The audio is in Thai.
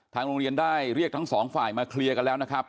โรงเรียนได้เรียกทั้งสองฝ่ายมาเคลียร์กันแล้วนะครับ